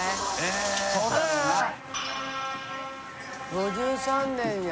５３年や。